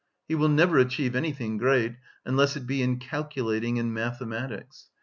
He will never achieve anything great, unless it be in calculating and mathematics.